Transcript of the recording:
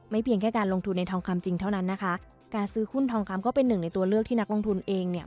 เพียงแค่การลงทุนในทองคำจริงเท่านั้นนะคะการซื้อหุ้นทองคำก็เป็นหนึ่งในตัวเลือกที่นักลงทุนเองเนี่ย